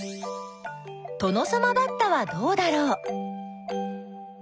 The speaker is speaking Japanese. トノサマバッタはどうだろう？